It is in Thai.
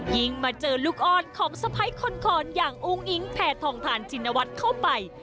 ยิงมาเจอลูกอ้อนของสะพ้ายคอนอย่างอุ้งอิ๊งแผ่ทองทานชินวัฒน์เข้าไป